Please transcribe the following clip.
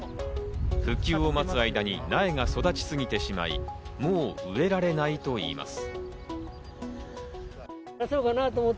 復旧を待つ間に苗が育ちすぎてしまい、もう植えられないといいます。